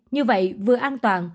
như vậy vừa an toàn